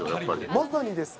まさにですか。